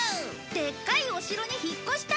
でっかいお城に引っ越したい！